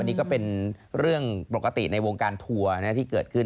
นี่ก็เป็นเรื่องปกติในวงการทัวร์ที่เกิดขึ้น